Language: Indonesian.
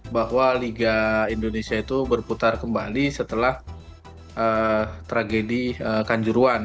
bahwa liga indonesia itu berputar kembali setelah tragedi kanjuruan